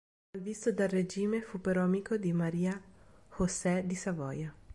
Malvisto dal regime, fu però amico di Maria José di Savoia.